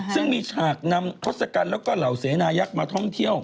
ซึ่งมีฉากนำทศกัณฐ์แล้วก็เหล่าเสนายักษ์มาท่องเที่ยว